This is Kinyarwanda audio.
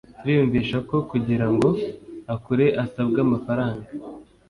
turiyumvisha ko kugira ngo akure asabwa amafaranga